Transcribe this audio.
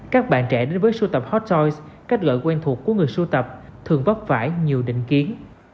kể đến với sưu tập hot toys cách gọi quen thuộc của người sưu tập thường vấp vãi nhiều định kiến